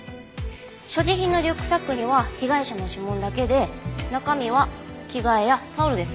所持品のリュックサックには被害者の指紋だけで中身は着替えやタオルです。